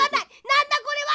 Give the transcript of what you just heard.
なんだこれは！